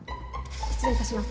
失礼いたします。